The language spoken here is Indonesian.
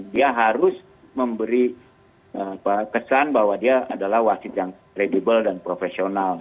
dia harus memberi kesan bahwa dia adalah wasit yang kredibel dan profesional